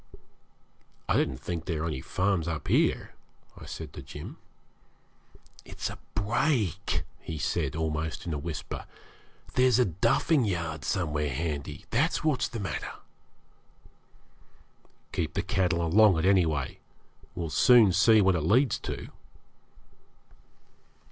'I didn't think there were any farms up here,' I said to Jim. 'It's a "break",' he said, almost in a whisper. 'There's a "duffing yard" somewhere handy; that's what's the matter.' 'Keep the cattle along it, anyway. We'll soon see what it leads to.'